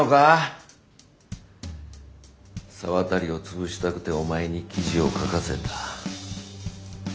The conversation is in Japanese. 沢渡をつぶしたくてお前に記事を書かせた。